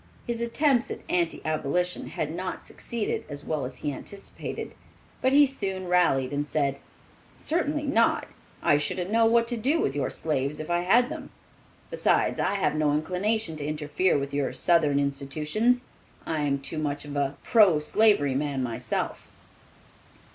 His attempts at anti abolition had not succeeded as well as he anticipated; but he soon rallied and said, "Certainly not; I shouldn't know what to do with your slaves if I had them; besides I have no inclination to interfere with your Southern institutions. I am too much of a pro slavery man myself."